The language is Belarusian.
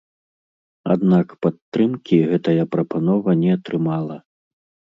Аднак падтрымкі гэтая прапанова не атрымала.